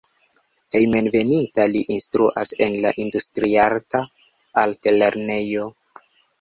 Hejmenveninta li instruas en la Industriarta Altlernejo.